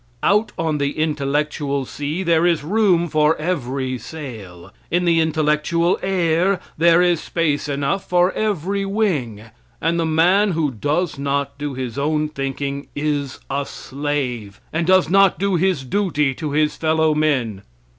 Out on the intellectual sea there is room for every sail. In the intellectual air, there is space enough for every wing. And the man who does not do his own thinking is a slave, and does not do his duty to his fellow men.